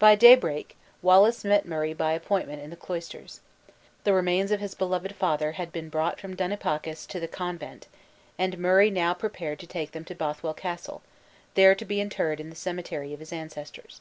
By daybreak, Wallace met Murray by appointment in the cloisters. The remains of his beloved father had been brought from Dunipacis to the convent, and Murray now prepare to take them to Bothwell Castle, there to be interred in the cemetery of his ancestors.